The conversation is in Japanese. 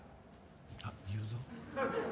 あっ言うぞ。